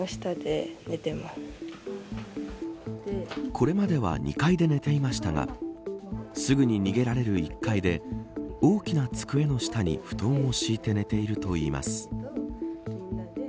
これまでは２階で寝ていましたがすぐに逃げられる１階で大きな机の下に布団を敷いて寝ているといいます。